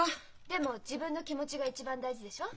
でも自分の気持ちが一番大事でしょ？